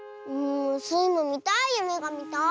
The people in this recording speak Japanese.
スイもみたいゆめがみたい！